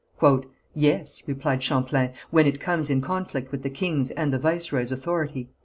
"Yes," replied Champlain, "when it comes in conflict with the king's and the viceroy's authority."